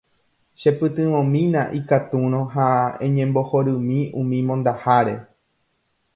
Chepytyvõmína ikatúrõ ha eñembohorymi umi mondaháre.